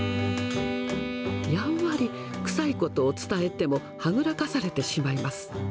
やんわり臭いことを伝えても、はぐらかされてしまいます。